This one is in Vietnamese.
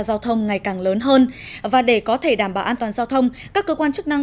giao thông ngày càng lớn hơn và để có thể đảm bảo an toàn giao thông các cơ quan chức năng